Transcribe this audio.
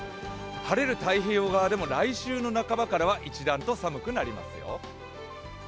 晴れる太平洋側でも来週の半ばからは一段と寒くなりますよ。